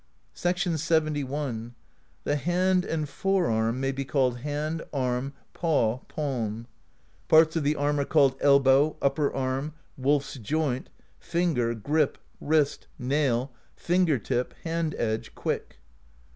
LXXI. "The hand and fore arm may be called hand, arm, paw, palm. Parts of the arm are called elbow, upper arm, wolPs joint,^ finger, grip, wrist, nail, finger tip, hand edge, quick.